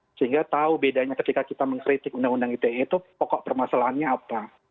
sehingga tahu bedanya ketika kita mengkritik undang undang ite itu pokok permasalahannya apa